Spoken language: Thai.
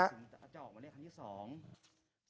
อาจจะออกวันนี้ครั้งที่๒